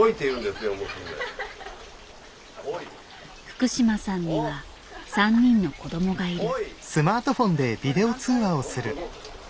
おい福島さんには３人の子どもがいる。